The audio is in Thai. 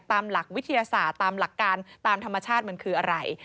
ตามหลักวิทยาศาสตร์ตามหลักการตามธรรมชาติมันคืออะไร